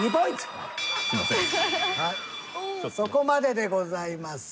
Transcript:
そこまででございます。